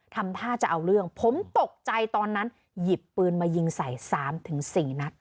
ทำท่าจะเอาเรื่องผมตกใจตอนนั้นหยิบปืนมายิงใส่๓๔นัด